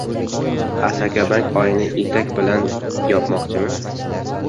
«Asakabank» oyni etak bilan yopmoqchimi?